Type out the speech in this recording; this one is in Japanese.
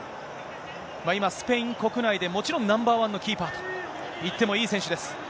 今、スペイン国内でもちろん、ナンバーワンのキーパーといってもいい選手です。